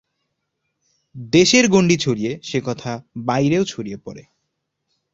দেশের গণ্ডি ছাড়িয়ে সে কথা বাইরেও ছড়িয়ে পড়ে।